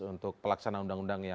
untuk pelaksanaan undang undang